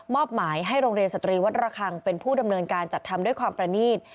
อบหมายให้โรงเรียนสตรีวัดระคังเป็นผู้ดำเนินการจัดทำด้วยความประนีต